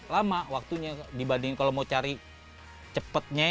lama waktunya dibanding kalau mau cari cepetnya